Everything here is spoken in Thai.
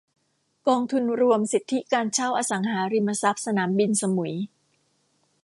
กองทุนรวมสิทธิการเช่าอสังหาริมทรัพย์สนามบินสมุย